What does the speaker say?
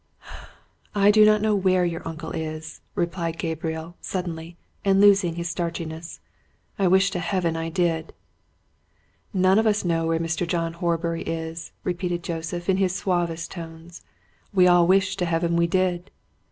"I do not know where your uncle is," replied Gabriel suddenly, and losing his starchiness. "I wish to Heaven I did!" "None of us know where Mr. John Horbury is," repeated Joseph, in his suavest tones. "We all wish to Heaven we did!"